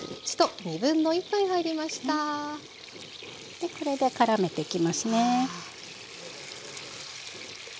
でこれでからめていきますね。